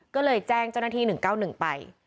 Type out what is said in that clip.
ก็เลยแจ้งเจ้าหน้าที่๑๙๑ไป